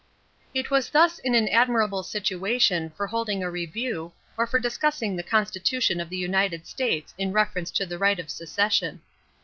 It was thus in an admirable situation for holding a review or for discussing the Constitution of the United States in reference to the right of secession.